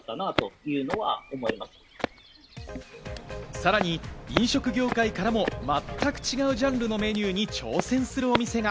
さらに飲食業界からも全く違うジャンルのメニューに挑戦するお店が。